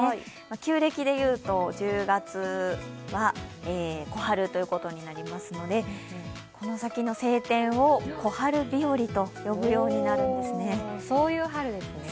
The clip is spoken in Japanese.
旧暦でいうと１０月は小春ということになりますのでこの先の晴天を小春日和と呼ぶようになるんですね。